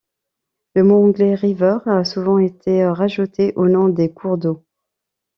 Le mot anglais river a souvent été rajouté au nom des cours d'eau.